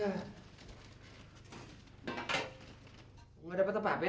gua dapet apa ben